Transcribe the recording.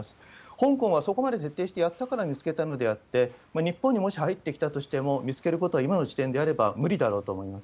香港はそこまで徹底してやったから見つけたのであって、日本にもし入ってきたとしても、見つけることは今の時点であれば無理だろ